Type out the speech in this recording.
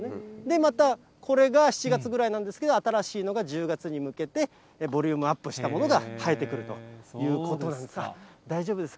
また、これが７月ぐらいなんですけど、新しいのが、１０月に向けてボリュームアップしたものが生えてくるということよく見えました。